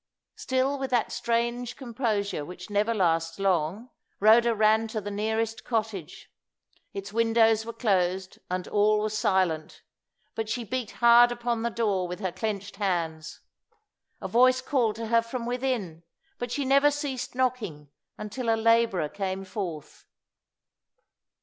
Still with that strange composure which never lasts long, Rhoda ran to the nearest cottage. Its windows were closed, and all was silent; but she beat hard upon the door with her clenched hands. A voice called to her from within, but she never ceased knocking until a labourer came forth.